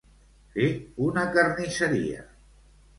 Fer una carnisseria.